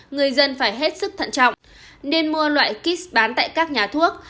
người dân phải hết sức thận trọng nên mua loại kit bán tại các nhà thuốc